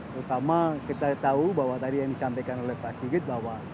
terutama kita tahu bahwa tadi yang disampaikan oleh pak sigit bahwa